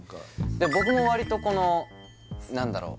僕もわりとこの何だろう